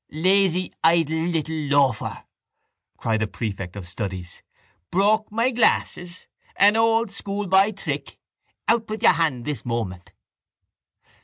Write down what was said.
—Lazy idle little loafer! cried the prefect of studies. Broke my glasses! An old schoolboy trick! Out with your hand this moment!